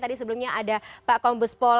tadi sebelumnya ada pak kombespol